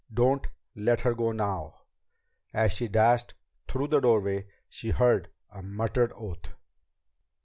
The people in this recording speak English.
Don't let her go now!" As she dashed through the doorway she heard a muttered oath.